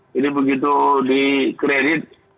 jadi begitu di kredit